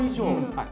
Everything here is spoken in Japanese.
はい。